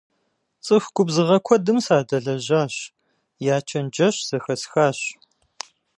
ЦӀыху губзыгъэ куэдым садэлэжьащ, я чэнджэщ зэхэсхащ.